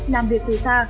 làm việc từ xa